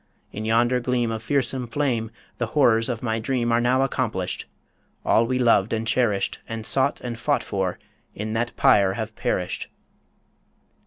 In yonder gleam Of fearsome flame, the horrors of my dream Are now accomplished all we loved and cherished, And sought, and fought for, in that pyre have perished!"